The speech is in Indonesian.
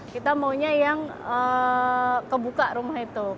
kita maunya yang kebuka rumahnya